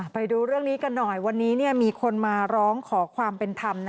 ไปดูเรื่องนี้กันหน่อยวันนี้มีคนมาร้องขอความเป็นธรรม